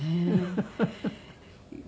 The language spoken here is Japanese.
フフフフ。